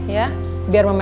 ya biar mama